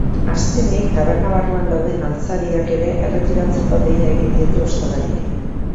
Azkenik, taberna barruan dauden altzariak ere erretiratzeko deia egin diete ostalariei.